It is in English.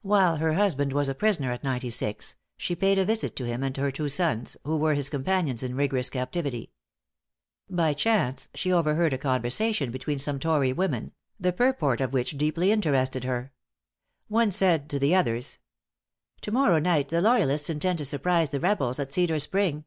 While her husband was a prisoner at Ninety Six, she paid a visit to him and her two sons, who were his companions in rigorous captivity. By chance she overheard a conversation between some tory women, the purport of which deeply interested her. One said to the others: "To morrow night the loyalists intend to surprise the rebels at Cedar Spring."